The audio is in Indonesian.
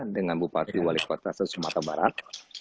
dengan bupati wali kota sumatera barat